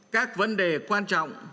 các vấn đề quan trọng